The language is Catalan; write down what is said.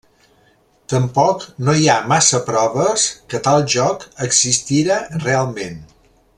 Tampoc no hi ha massa proves que tal joc existira realment.